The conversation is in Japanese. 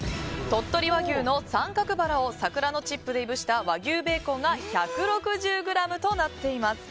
鳥取和牛の三角バラを桜のチップでいぶした和牛ベーコンが１６０ｇとなっています。